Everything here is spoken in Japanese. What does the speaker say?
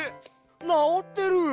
なおってる！？